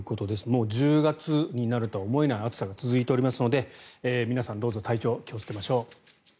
もう１０月になるとは思えない暑さが続いていますので皆さん、どうぞ体調に気をつけましょう。